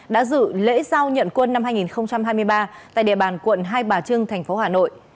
đã dự lễ giao nhận quân năm hai nghìn hai mươi ba tại địa bàn quận hai bà trưng thành phố hà nội